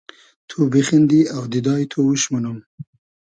تو بیخیندی اۆدیدای تو اوش مونوم